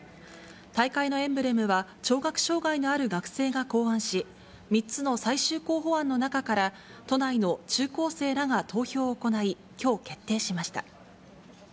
大会のエンブレムは、聴覚障がいのある学生が考案し、３つの最終候補案の中から、都内の中高生らが投票を行い、きょう決定しました。